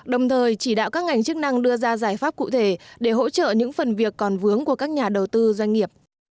đồng thời chỉ đạo các ngành chức năng đưa ra giải pháp cụ thể để hỗ trợ những phần việc còn vướng của các nhà đầu tư doanh nghiệp